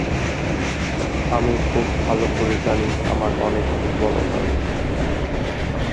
আমি খুব ভালো করে জানি আমার অনেক দুর্বলতা আছে।